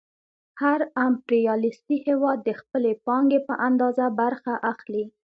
هر امپریالیستي هېواد د خپلې پانګې په اندازه برخه اخلي